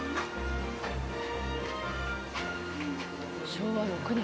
昭和６年。